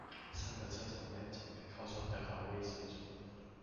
上了車總要揀個靠窗的好位置坐